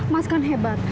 mas kan hebat